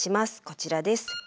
こちらです。